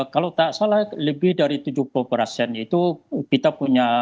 kalau tak salah lebih dari tujuh puluh persen itu kita punya